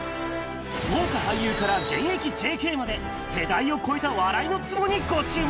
豪華俳優から現役ＪＫまで、世代を超えた笑いのツボにご注目。